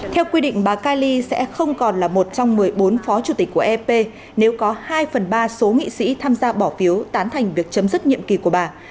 theo quy định bà kaili sẽ không còn là một trong một mươi bốn phó chủ tịch của ep nếu có hai phần ba số nghị sĩ tham gia bỏ phiếu tán thành việc chấm dứt nhiệm kỳ của bà